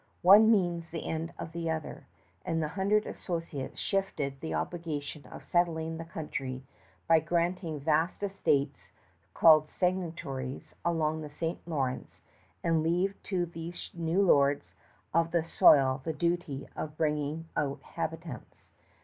One means the end of the other; and the Hundred Associates shifted the obligation of settling the country by granting vast estates called seigniories along the St. Lawrence and leaving to these new lords of the soil the duty of bringing out habitants.